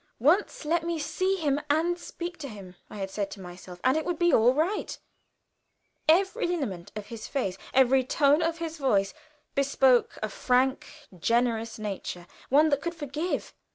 Once let me see him and speak to him, I had said to myself, and it would be all right; every lineament of his face, every tone of his voice, bespoke a frank, generous nature one that could forgive.